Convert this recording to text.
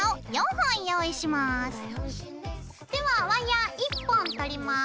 ではワイヤー１本取ります。